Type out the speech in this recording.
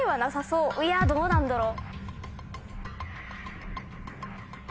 いやどうなんだろう？